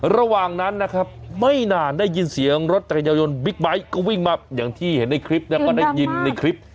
ระหว่างนั้นนะครับไม่นานได้ยินเสียงรถจักรยายนบิ๊กไบท์ก็วิ่งมาอย่างที่เห็นในคลิปแล้วก็ได้ยินในคลิป